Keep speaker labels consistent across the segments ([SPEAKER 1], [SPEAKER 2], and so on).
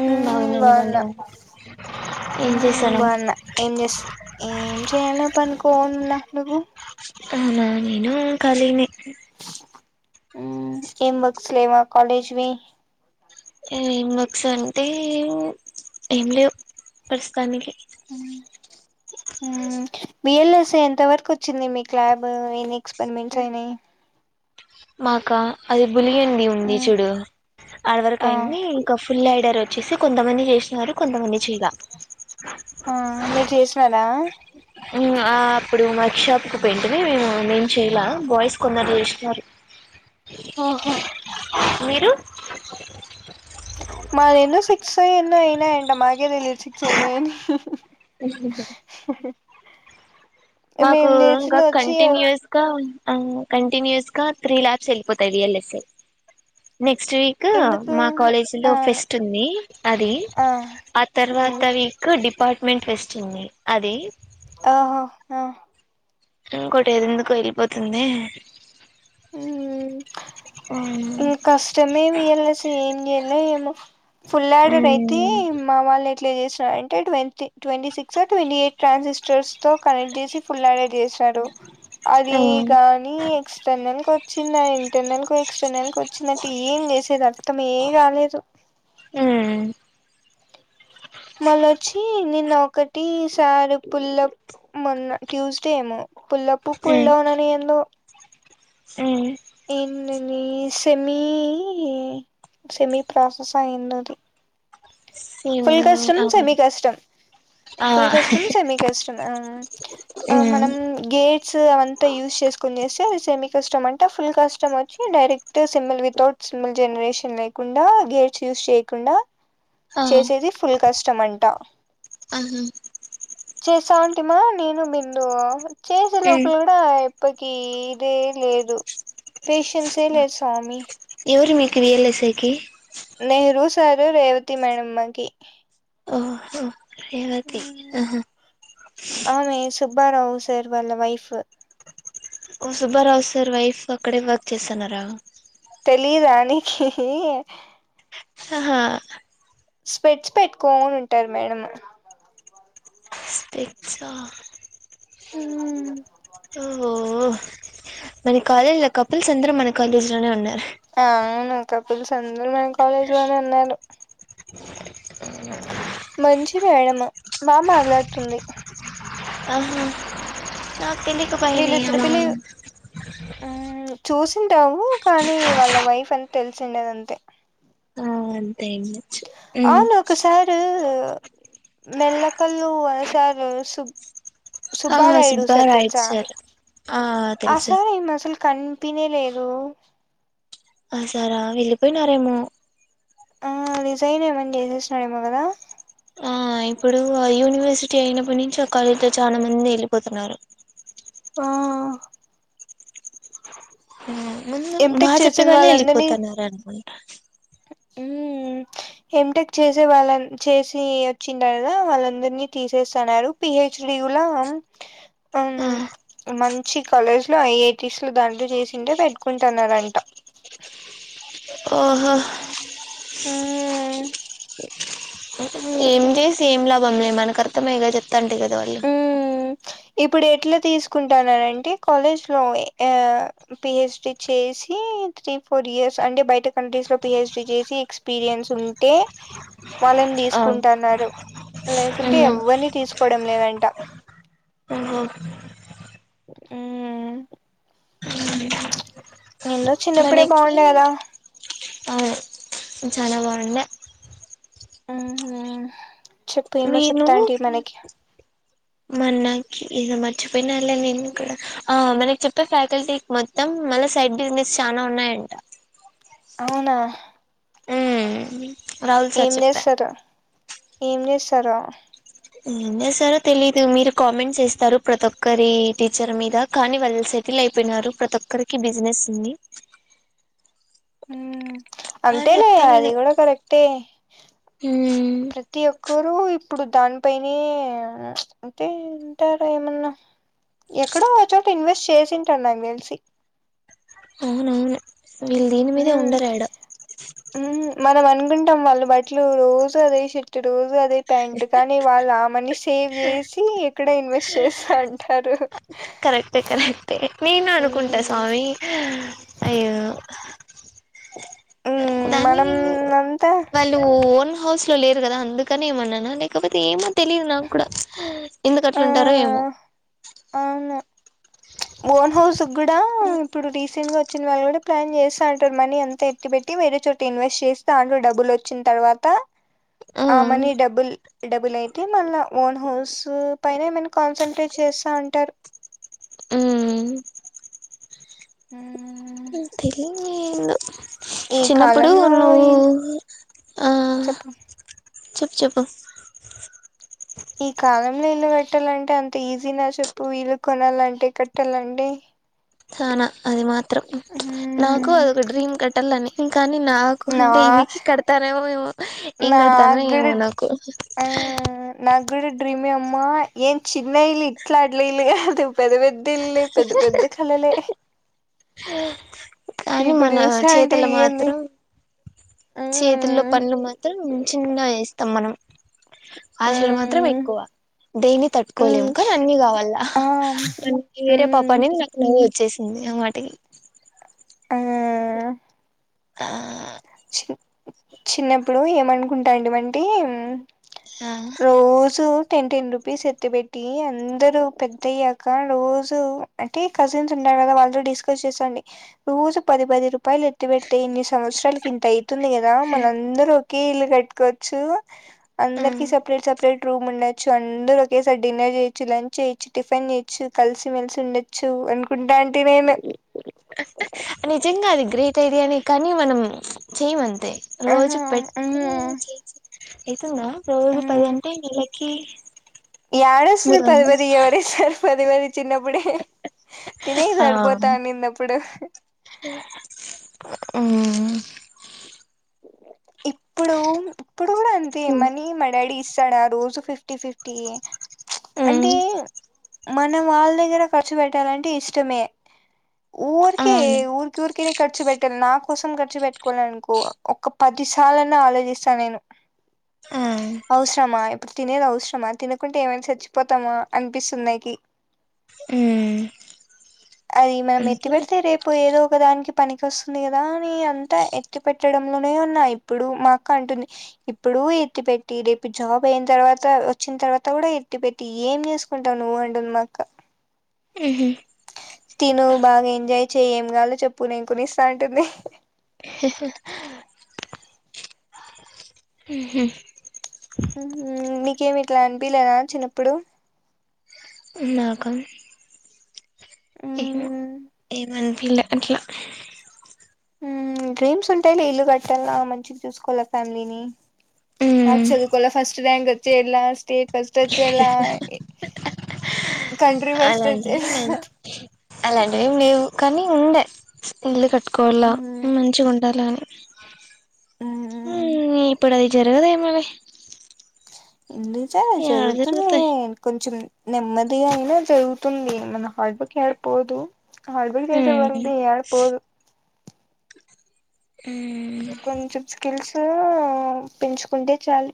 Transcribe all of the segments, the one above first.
[SPEAKER 1] ఉమ్ బావున్నాను నువ్వు బావుండావా.
[SPEAKER 2] ఉమ్ బాగున్న ఏం చేస్ ఏం చేయలే పనుకోనున్న. నువ్వు.
[SPEAKER 1] అవునా నేనూ ఖాలీనే.
[SPEAKER 2] ఉమ్ ఏం వర్క్స్ లేవా కాలేజ్ వి.
[SPEAKER 1] ఏం వర్క్స్ అంటే ఏం లేవు ప్రస్తుతానికి.
[SPEAKER 2] ఉమ్ బిఎల్ఎస్ ఎంత వరకు వచ్చింది మీకు ల్యాబ్ ఈ వీక్స్. పన్ మిల్స్ ఆయ్నయ్.
[SPEAKER 1] మాకా అది బులిగి ఉంది ఉంది
[SPEAKER 2] మ్మ్
[SPEAKER 1] చూడు ఆడవరకు
[SPEAKER 2] ఆ
[SPEAKER 1] అయింది ఇంకా ఫుల్ ఐడర్. వచ్చేసి కొంతమంది చేసినారు కొంతమంది చేయలే.
[SPEAKER 2] ఆహ్ మీరు చేసినారా.
[SPEAKER 1] ఉమ్ ఆహ్ అప్పుడు వర్క్ షాప్ కి పోయింటిమి మేము నేను చేయలా బాయ్స్ కొందరు చేశినారు.
[SPEAKER 2] ఒహొ.
[SPEAKER 1] మీరు.
[SPEAKER 2] మాయేన్నో సిక్స్ ఫైవ్ ఎన్నో అయినాయంట మాకే తెలీదు. సిక్స్ అయినయన్.
[SPEAKER 1] మాకు ఇంకా కంటిన్యూస్ గా. ఆహ్ కంటిన్యూస్ గా త్రీ లాబ్స్ ఎళ్ళిపోతాయి బిఎల్ఎస్సే. నెక్స్ట్ వీక్
[SPEAKER 2] ఎందుకు
[SPEAKER 1] మా కాలేజిలో
[SPEAKER 2] ఆ
[SPEAKER 1] ఫెస్ట్ ఉంది అది.
[SPEAKER 2] ఆ
[SPEAKER 1] ఆ తర్వాత
[SPEAKER 2] మ్మ్
[SPEAKER 1] వీక్ డిపార్ట్మెంట్ ఫెస్ట్ ఉంది అది.
[SPEAKER 2] ఒహో ఆహ్.
[SPEAKER 1] ఇంకోటి ఏది ఎందుకు ఎళ్ళిపోతుంది.
[SPEAKER 2] ఇవి కష్టమే వియల్సే సేమ్ చెయలో ఏమో. ఫుల్ ఆడెడ్ అయితే మా వాళ్ళె. ఎట్ల చేసిన అంటె ట్వీ ట్వంటీ సిక్సొ ట్వంటీ ఎయిట్ ట్రాన్సిస్టర్స్ తో కనెక్ట్ చేసి ఫుల్ ఆడెడ్ చేస్. సడు అది గాని ఎక్స్టర్నల్ కొచ్చిందా ఇంటర్నల్ కొచ్. ఎక్స్టర్నల్ కొచ్చిందంటే ఏం చేసేది అర్థమే కాలేదు. మళ్ళొచ్చి నిన్న ఒకటి సార్ పుల్లప్ మొన్న ట్యూస్డే ఏమో. పుల్లప్పు ఫుల్లు డౌన్ అని ఎందొ.
[SPEAKER 1] సేమ్.
[SPEAKER 2] ఏందాది సెమీ. సెమీ ప్రాసెసా అయిందది. ఫుల్ కస్టమ్ సెమీ
[SPEAKER 1] అవును
[SPEAKER 2] కస్టమ్.
[SPEAKER 1] ఆ
[SPEAKER 2] ఫుల్ కష్టం సెమీ కష్టం అవును ఆహ్ మనం గేట్స్ అవంత యూస్ చె. చేసుకొని చేస్తే. సెమీ కష్టం అంటే ఫుల్ కష్టం వచ్చి direct symbol without symbol generation లేకుండా. వేచ్ యూస్ చేయకుండా
[SPEAKER 1] ఆ
[SPEAKER 2] చేసేది ఫుల్ కష్టం అంట.
[SPEAKER 1] ఆహ.
[SPEAKER 2] చేసా అంటీమా నేను బిందు చేసే లోపల గూడా. ప్పకీ ఇదేన్ లేదు పేషన్స్సీయే లేదు స్వామి.
[SPEAKER 1] క్రియల్ యేసేకీ.
[SPEAKER 2] నెహ్రూ సారు రేవతి మేడమ్మకి
[SPEAKER 1] ఓహో రేవతి ఆహా.
[SPEAKER 2] ఆమె సుబ్బారావు సర్ వాళ్ళ వైఫ్
[SPEAKER 1] ఓ సుబ్బారావు సార్ వైఫ్ అక్కడే వర్క్ చేస్తన్నారా
[SPEAKER 2] తెలీదా నీకి
[SPEAKER 1] ఆహా
[SPEAKER 2] స్పెట్స్ పెట్టుకోని ఉంటది మేడం
[SPEAKER 1] స్పెట్సా
[SPEAKER 2] ఉమ్
[SPEAKER 1] ఓహో మన కాలేజ్ లో కపిల్స్ అందరం మన కాలేజీ లోనే ఉన్నారు.
[SPEAKER 2] అవును కపుల్స్ అందరు మన కాలేజ్లోనే ఉన్నారు. మంచిదే ఆయమ్మ బాగ మాట్లాడుతుంది
[SPEAKER 1] ఆహా నాక్ తెలిక భయమే
[SPEAKER 2] వీళ్ళు
[SPEAKER 1] అఉ
[SPEAKER 2] చూసింటావు కానీ వాళ్ళ వైఫ్ అని తెలిసిండదు అంతే
[SPEAKER 1] ఆ అంతే ఉండొచ్చు ఉమ్
[SPEAKER 2] అవును ఒక సారు మెల్లకల్లు సారు సుబ్
[SPEAKER 1] ఆ
[SPEAKER 2] సుబ్బారాయుడు సర్ తెల్సా
[SPEAKER 1] సార్ ఆ
[SPEAKER 2] ఆ
[SPEAKER 1] తెలుసు
[SPEAKER 2] సారు మసలు కనిపినే లేదు
[SPEAKER 1] ఆ సారా వెళ్ళిపోయినారేమో
[SPEAKER 2] ఆ రిజైన్ ఏమైన చేసేసినాడు ఏమోగద
[SPEAKER 1] ఆ ఇప్పుడు ఆ యూనివర్సిటీ అయినప్పటి నుంచి ఆ కాలేజ్లో చాలా మంది వెళ్ళిపోతున్నారు.
[SPEAKER 2] ఆ
[SPEAKER 1] ముందు బాగ
[SPEAKER 2] ఎంటెక్ చేసిన
[SPEAKER 1] జెప్పేవాళ్ళే
[SPEAKER 2] వాళ్ళందరినీ
[SPEAKER 1] ఎళ్ళిపోతాన్నారు
[SPEAKER 2] ఉమ్ ఎంటెక్ చేసే వాళ్ళ చేసి వచ్చి కదా వాళ్ళందరినీ తీసేస్తన్నారు పిహెచ్ డి కుడా ఆ మంచి కాలేజ్ లో ఐఐటిస్ దాంట్లో చేసుంటే పెట్టుకుంటున్నారంట.
[SPEAKER 1] ఒహా
[SPEAKER 2] ఉమ్
[SPEAKER 1] వాల్ల మనకు అర్థమయ్యేలా చెప్తాంటే కదా వాళ్ళు
[SPEAKER 2] ఉమ్ ఇప్పుడు ఎట్లా తీసుకుంటాన్నరంటే కాలేజ్ లో అ పిహెచ్డి చేసి త్రీ ఫోర్ ఇయర్స్ అంటే బయట కంట్రీస్ లో పిహెచ్డి చేసి ఎక్స్పీరియన్స్ ఉంటే వాళ్ళని
[SPEAKER 1] ఆ
[SPEAKER 2] తీసుకుంటన్నారు. లేకుంటే
[SPEAKER 1] ఉహు
[SPEAKER 2] ఎవరిని తీసుకోడం లేదంట.
[SPEAKER 1] ఓహో
[SPEAKER 2] ఉ చిన్నప్పుడే
[SPEAKER 1] మనకి
[SPEAKER 2] బాగుండే కదా
[SPEAKER 1] అవును చాలా బాగుండే
[SPEAKER 2] ఆహ చెప్పు ఏమో
[SPEAKER 1] మీరు
[SPEAKER 2] చెప్తాంటివి మనకి
[SPEAKER 1] మనకి ఇద మర్చిపోయినళ్ళ నేను కూడా ఆ మనకు చెప్పే ఫ్యాకల్టీ మొత్తం సైడ్ బిజినెస్ చానా ఉన్నాయంట.
[SPEAKER 2] అవునా
[SPEAKER 1] ఉమ్ రాహుల్ సార్
[SPEAKER 2] ఏం
[SPEAKER 1] చెప్పా
[SPEAKER 2] చేస్తారు ఏం చేస్తారు
[SPEAKER 1] ఏంచేస్తారో తెలీదు. మీరు కామెంట్స్ చేస్తారు. ప్రతి ఒక్కరి టీచర్ మీద కానీ వెల్ సే టిల్ అయిపోయినారు ప్రతి ఒక్కరికి బిజినెస్ ఉంది.
[SPEAKER 2] ఉమ్
[SPEAKER 1] అని
[SPEAKER 2] అంతేలే
[SPEAKER 1] చెప్తా
[SPEAKER 2] అది
[SPEAKER 1] నేను
[SPEAKER 2] కూడా కరెక్టే ప్రతి ఒక్కరు ఇప్పుడు దానిపైనే అంటే ఉంటారేమన్నా ఎక్కడో ఒచోట ఇన్వెస్ట్ చేసుంటాడ్ నాక్దెల్షి
[SPEAKER 1] అవునవును వీళ్లు దీని మీదే ఉండరైడ
[SPEAKER 2] మనం అనుకుంటాం వాళ్ళు బట్లు రోజు అదే షర్ట్ రోజు అదే ప్యాంటు కానీ వాళ్ళు ఆ మనీ సేవ్ చేసి ఇక్కడే ఇన్వెస్ట్ చేస్త అంటారు
[SPEAKER 1] కరెక్టే కరెక్టే నేను అనుకుంటా స్వామి అయ్యో
[SPEAKER 2] మ్మ్
[SPEAKER 1] దానీ
[SPEAKER 2] మనం అంతా
[SPEAKER 1] వాళ్ళు ఓన్ హౌస్ లో లేరు గదా అందుక్కనే ఏమన్నానా లేకపోతే ఏమో తెలిదు నాకుడా
[SPEAKER 2] ఆ
[SPEAKER 1] ఎందుకట్లుంటారో ఏమో
[SPEAKER 2] వోన్ హౌసు గూడా ఇప్పుడు రీసెంట్ గా చ్చినది గూడా ప్లాన్ జేస్త అంటారు. మనీ అంత ఎత్తి పెట్టి వేరే చోట ఇన్వెస్ట్ చేసి దాంట్లో డబ్బులు ఓచ్చిన తర్వాత ఆ మనీ డబుల్ డబ్బులయితే మళ్ళా వోన్ హౌసు పైనేమైనా కాన్సన్ట్రేట్ చేస్తా ఉంటారు
[SPEAKER 1] ఉమ్మ్
[SPEAKER 2] మ్మ్
[SPEAKER 1] నిక్ తెలియాందేందో
[SPEAKER 2] ఈ
[SPEAKER 1] చిన్నప్పుడు
[SPEAKER 2] కాలంలో
[SPEAKER 1] నువు
[SPEAKER 2] ఈ
[SPEAKER 1] ఆ
[SPEAKER 2] చెప్పు
[SPEAKER 1] చెప్ చెప్పు
[SPEAKER 2] న్న ఇల్లు కట్టాలంటే అంత ఈజిన చెప్పు ఇళ్లు కొనాలంటే కట్టాలంటే
[SPEAKER 1] చానా అది మాత్రం నాకు
[SPEAKER 2] మ్మ్
[SPEAKER 1] అదొక డ్రీమ్ కట్టల్లని కానీ నాకుంటే ఇవికి కడతానో ఏమో
[SPEAKER 2] నాగుడ్
[SPEAKER 1] నాకు
[SPEAKER 2] ఆ నాక్ కూడ డ్రీమే అమ్మా ఏం చిన్న ఇల్లు ఇట్లా ఇల్లు గాదు పెద్ద పెద్ద ఇల్లు పెద్ద పెద్ద కలలే
[SPEAKER 1] కానీ
[SPEAKER 2] ఇప్పుడు
[SPEAKER 1] మన
[SPEAKER 2] చూసా అంటే
[SPEAKER 1] చేతల
[SPEAKER 2] ఏంది
[SPEAKER 1] మాత్రం చేతుల్లో
[SPEAKER 2] మ్మ్
[SPEAKER 1] పనులు మాత్రం చిన్నగ చేస్తాం మనం ఆశలు మాత్రం
[SPEAKER 2] మ్మ్
[SPEAKER 1] ఎక్కువ దేన్ని
[SPEAKER 2] మ్మ్
[SPEAKER 1] తట్టుకోలేము కని అన్ని గావాల్ల
[SPEAKER 2] ఆ
[SPEAKER 1] మన్నకి వేరే
[SPEAKER 2] మ్మ్
[SPEAKER 1] పాపాన్నింది నాకీయ్యి చ్చేసింది అమాటే
[SPEAKER 2] ఆ
[SPEAKER 1] ఆ
[SPEAKER 2] చి చిన్నప్పుడు ఏమనుకుంటాడిమంటే
[SPEAKER 1] ఆ
[SPEAKER 2] రోజూ టెన్ టెన్ రూపీస్ ఎత్తి పెట్టి అందరు పెద్దయ్యాక రోజు అంటే కజిన్స్ ఉండ అల్లద వాళ్ళు డిస్కస్ జేశాండి రోజు పది పది రూపాయిలు ఎత్తి పెడ్తే ఇన్ని సంవత్సరాలకిం తయితుంది గదా మనందరూ ఒకే ఇల్లు కట్టుకోచ్చు అందరికి సపరేట్ సపరేట్ రూమ్ ఉండొచ్చు అంద్దరూ ఒకేసారి డిన్నర్ జేయొచ్చు లంచ్ చేయచ్చు టిఫిన్ చేయ్యొచ్చు కలిసిమేల్సి ఉండొచ్చు ఉన్కుంటాంటే నేను
[SPEAKER 1] నిజంగా అది గ్రేట్ ఐడియానే కానీ మనం చేయమాం తే రోజు
[SPEAKER 2] ఆహా ఉమ్
[SPEAKER 1] పెడితె ఐతుంద రోజు పది అంటే నెలకి
[SPEAKER 2] యడిస్తది
[SPEAKER 1] మూడు
[SPEAKER 2] పది
[SPEAKER 1] వందలు
[SPEAKER 2] పది ఎవరిస్తారు పదివది చిన్నప్పుడే తినే
[SPEAKER 1] ఆ
[SPEAKER 2] సరిపోతా అనిందాప్పుడు
[SPEAKER 1] ఉమ్మ్
[SPEAKER 2] ఇప్పుడు ఇప్పుడు గూడా అంతే
[SPEAKER 1] మ్మ్
[SPEAKER 2] మని మాడాడీ ఇస్తాడాడోజు ఫిఫ్టీ ఫిఫ్టీ అంటే
[SPEAKER 1] మ్మ్
[SPEAKER 2] మన వల్ల దగ్గర ఖర్చు పెట్టాలంటే ఇష్టమే ఊరికే
[SPEAKER 1] అవును
[SPEAKER 2] ఉర్కుర్కనే ఖర్చు బేట్టన్ నా కోసం ఖర్చు బేట్టుకోడానీకో ఒక్క పది సార్లైనా ఆలోజీస్తా నేను
[SPEAKER 1] ఆ
[SPEAKER 2] అవసరమా ఇప్పుడు తినేది అవసరమా తినకుంటే ఏమైనా చచ్చిపోతామా అనిపిస్తుంది నాకి
[SPEAKER 1] మ్మ్
[SPEAKER 2] అయ్ మనం ఎత్తి
[SPEAKER 1] అంతేలే
[SPEAKER 2] బెడితే రేపు ఏదో ఒకదానికి పనికి ఓస్తుంది గదా అని అంతా ఎత్తి పెట్ ట్టడంలోనే ఉన్నా ఇప్పుడు మా అక్క అంటుంది ఇప్పుడూ ఎత్తి పెట్టి రేపు జాబ్ అయిన్ తర్వాత ఓచ్చిన తర్వాత గూడా ఎత్తి పెట్టి ఏం చేస్కుంటావు నువ్వు అండుంది మా అక్క
[SPEAKER 1] మ్మ్ మ్మ్
[SPEAKER 2] తిను బాగ ఎంజాయ్ చెయి ఏం గావల్నో చెప్పు నేన్ కొనిస్త అంటుంది
[SPEAKER 1] ఉహ్మ్
[SPEAKER 2] ఉహ్మ్ నీకేమి ఇట్లా అనిపిలేదా చిన్నప్పుడు
[SPEAKER 1] నాక ఏం ఏమనిపిలే అట్లా
[SPEAKER 2] డ్రీమ్స్ ఉంటాయిలే ఇల్లు కట్టాల మంచి చూసుకోవాల ఫ్యామిలీని
[SPEAKER 1] మ్మ్
[SPEAKER 2] హక్ చదువుకోల ఫస్ట్ రయాంక్ వచ్చే ఇలా స్టేజ ఫస్ట్ వచ్చేలా కంట్రీ ఫస్ట్
[SPEAKER 1] అలాంటివి
[SPEAKER 2] వచ్చేలా
[SPEAKER 1] అలాంటివిమి లేవు కానీ ఉండే ఇల్లు కట్టుకోవాల
[SPEAKER 2] మ్మ్
[SPEAKER 1] మంచిగా ఉండాల
[SPEAKER 2] మ్మ్
[SPEAKER 1] అని ఇప్పుడు అది జరగద ఏమోలే
[SPEAKER 2] ఎందు సాల జరుగుతున్నా కొంచెం నెమ్మది అది అయినా జరుగుతుంది మన హార్డ్ వర్క్ పోదు అడుగుల్ కేస వది ఆడ పోదు కొంచెం స్కిల్స్ పెంచుకుంటే చాలు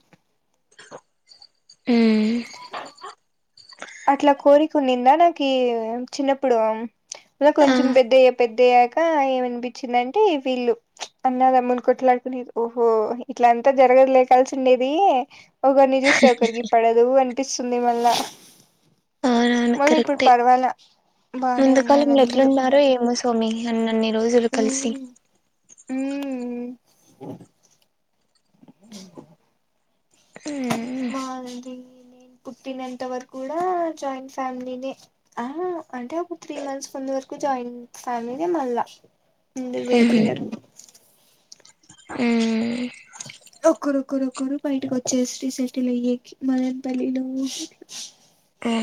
[SPEAKER 1] ఉమ్
[SPEAKER 2] అట్లా కోరికన్నిందా నాకు చిన్నప్పుడు
[SPEAKER 1] ఆ
[SPEAKER 2] కొంచెం పెద్దయ పెద్ద కొంచం పెద్దాయక ఏమనిపించిందంటే వీళ్ళు అన్నదమ్మును కొట్లాడుకునే ఓహో ఇట్లా ఎంత జరగలే కలిసి ఉండేది ఒకరిని చూస్తే ఒకరికి పడదు అనిపిస్తుంది మళ్ళా మల్ల ఇప్పుడు పర్వాలె
[SPEAKER 1] ముందుకాలంలోలెట్లున్నారో ఏమో సోమి అన్నన్ని రోజులు కలిసి
[SPEAKER 2] మ్ మా లది నేను పుట్టినంత వరకు కూడా జాయింట్ ఫ్యామిలీనే ఆ అంటే అప్పుడు త్రీ మంత్స్ కొ ము వరకు జాయింట్ ఫ్యామిలీనే మళ్ళా ముందు విడిపోయినారు
[SPEAKER 1] ఉమ్
[SPEAKER 2] ఒకరు ఒకరు ఒకరు బయటకి వచ్చేసి సెటిల్ అయ్యే మదన్పల్లి లో అట్లా
[SPEAKER 1] ఆ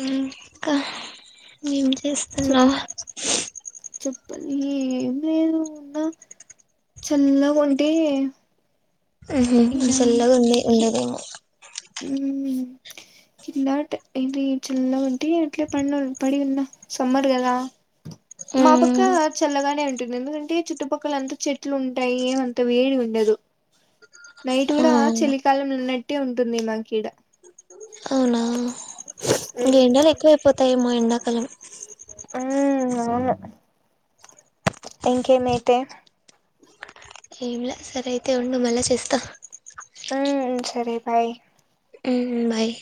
[SPEAKER 1] ఇంకా ఎం చే
[SPEAKER 2] చెప్
[SPEAKER 1] చేస్తున్నావ్
[SPEAKER 2] చెప్పాలి చల్ల వంటి
[SPEAKER 1] ఆ చెల్గా ఉంది ఎందుకో ఏమో
[SPEAKER 2] ఇ ఇది చిల్ల వంట అట్ ప పడి ఉంద సమ్మర్ కదా మా పక్క చల్లగానే ఉంటుంది ఎందుకంటే చుట్టుపక్కల అంత చెట్లు ఉంటాయి అంత వేడి ఉండయి నైట్
[SPEAKER 1] ఆ
[SPEAKER 2] కూడా చలికాలం ఉన్నట్టే ఉంటుంది మా కీడ
[SPEAKER 1] ఇంక ఎడాలు ఎక్కువైపోతాయి మాో ఎండాకాలం
[SPEAKER 2] మ్ అవును ఇంకేమైతే
[SPEAKER 1] ఎంలే సరే అయితే ఉండు మళ్ళా చేస్తా
[SPEAKER 2] మ్ సరే బాయ్
[SPEAKER 1] మ్ బాయ్